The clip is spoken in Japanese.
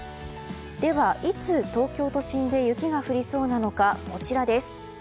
では、いつ東京都心で雪が降りそうなのか、こちらです。